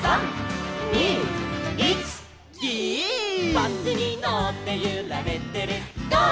「バスにのってゆられてるゴー！